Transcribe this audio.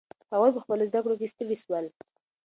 هغوی په خپلو زده کړو کې ستړي سول.